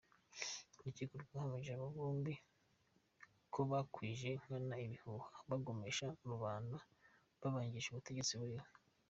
Urukiko rwahamije aba bombi ko bakwije nkana ibihuha bagomesha rubanda babangisha ubutegetsi buriho.